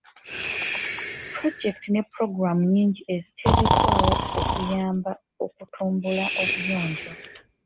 Pulojekiti ne pulogulaamu nnyingi ziteekeddwawo okuyamba okutumbula obuyonjo.